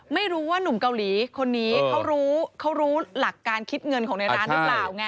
ไม่รู้ว่านุ่มเกาหลีคนนี้เขารู้เขารู้หลักการคิดเงินของในร้านหรือเปล่าไง